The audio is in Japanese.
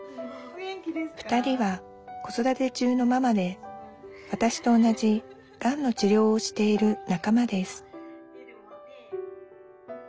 ２人は子育て中のママでわたしと同じがんの治療をしている仲間です